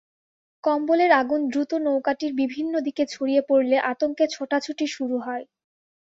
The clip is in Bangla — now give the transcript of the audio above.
কম্বলের আগুন দ্রুত নৌকাটির বিভিন্ন দিকে ছড়িয়ে পড়লে আতঙ্কে ছোটাছুটি শুরু হয়।